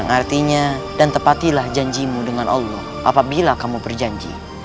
artinya dan tepatilah janjimu dengan allah apabila kamu berjanji